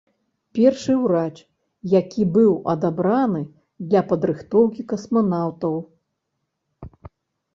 Першы урач, які быў адабраны для падрыхтоўкі касманаўтаў.